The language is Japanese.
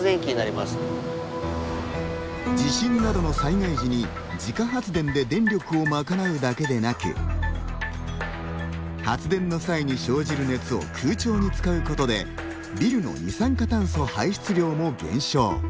地震などの災害時に自家発電で電力をまかなうだけでなく発電の際に生じる熱を空調に使うことでビルの二酸化炭素排出量も減少。